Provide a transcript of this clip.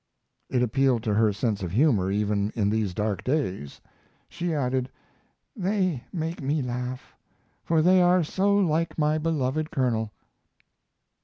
It appealed to her sense of humor even in these dark days. She added: They make me laugh, for they are so like my beloved "Colonel."